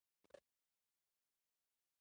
هګۍ د بدن سوخت ښه کوي.